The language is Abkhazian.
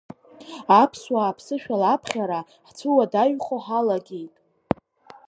Аԥсуаа аԥсышәала аԥхьара ҳцәыуадаҩхо ҳалагеит.